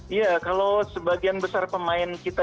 iya kalau sebagian besar pemain kita